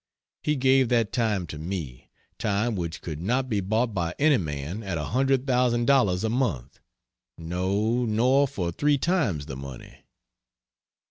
He gave that time to me time which could not be bought by any man at a hundred thousand dollars a month no, nor for three times the money.